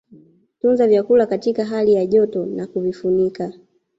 Tunza vyakula katika hali ya joto na kuvifunika